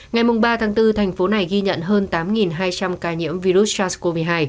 ngày ba bốn thành phố này ghi nhận hơn tám hai trăm linh ca nhiễm virus sars cov hai